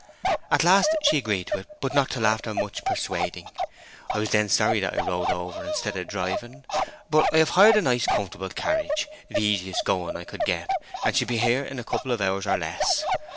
At last she agreed to it, but not till after much persuading. I was then sorry that I rode over instead of driving; but I have hired a nice comfortable carriage—the easiest going I could get—and she'll be here in a couple of hours or less.